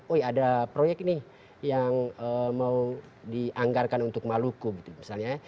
oh ya ada proyek ini yang mau dianggarkan untuk maluku gitu misalnya